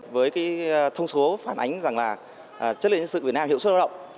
với cái thông số phản ánh rằng là chất lượng nhân sự việt nam hiệu suất lao động